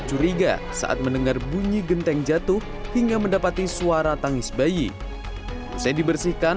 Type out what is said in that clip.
curiga saat mendengar bunyi genteng jatuh hingga mendapati suara tangis bayi usai dibersihkan